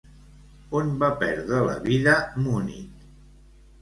On va perdre la vida Múnit?